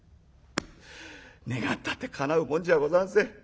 願ったってかなうもんじゃございません。